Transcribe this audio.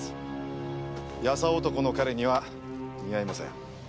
優男の彼には似合いません。